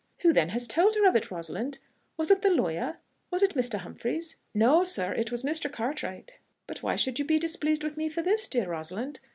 "Who then has told her of it, Rosalind? Was it the lawyer? was it Mr. Humphries?" "No sir it was Mr. Cartwright." "But why should you be displeased with me for this, dear Rosalind?